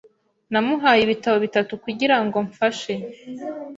Namuhaye ibitabo bitatu kugirango mfashe.